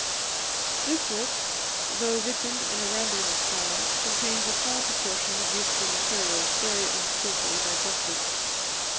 This work, though written in a rambling style, contains a small proportion of useful materials very unskilfully digested.